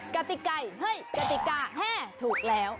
กติไก่เฮ้ยกติกาแห้ถูกแล้ว